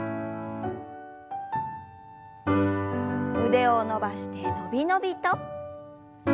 腕を伸ばしてのびのびと。